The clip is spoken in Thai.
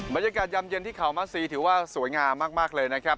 บรรยากาศยำเย็นที่เข่ามัสซีถือว่าสวยงามมากเลยนะครับ